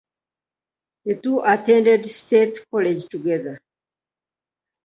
The two attended State college together.